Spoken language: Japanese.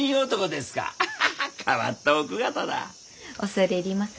恐れ入ります。